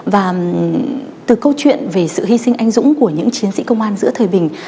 và từ câu chuyện về sự hy sinh anh dũng của những chiến sĩ công an giữa thời bình